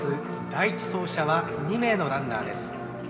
第１走者は２名のランナーです。